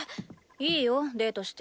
いいよデートして。